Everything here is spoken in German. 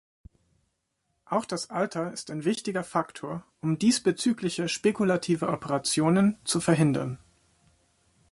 Auch das Alter ist ein wichtiger Faktor, um diesbezügliche spekulative Operationen zu verhindern.